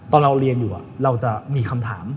ตอนเราเรียนอยู่เราจะมีคำถาม